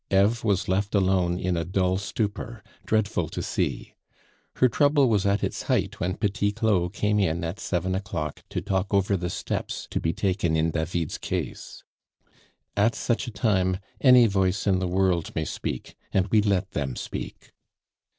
Eve was left alone in a dull stupor, dreadful to see. Her trouble was at its height when Petit Claud came in at seven o'clock to talk over the steps to be taken in David's case. At such a time, any voice in the world may speak, and we let them speak.